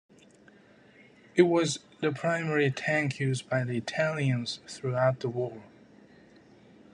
It was the primary tank used by the Italians throughout the war.